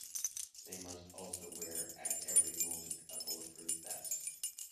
They must also wear at every moment a bulletproof vest.